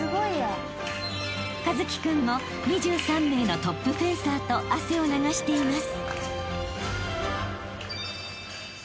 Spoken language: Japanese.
［一輝君も２３名のトップフェンサーと汗を流しています］